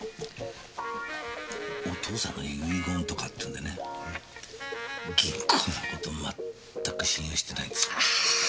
お父さんの遺言とかっていうんでね銀行の事まったく信用してないんですよ。